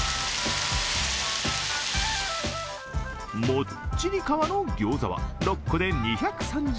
もっちり皮の餃子は６個で２３０円。